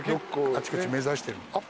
あちこち目指してる。